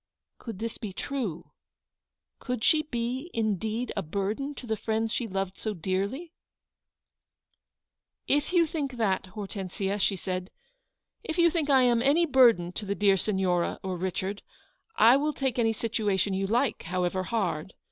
Could this be true? Could she be indeed a burden to the friends she loved so dearly ?" If you think that, Hortensia," she said, " if you think I am any burden to the dear Signora, or Richard, I will take any situation you like, however hard.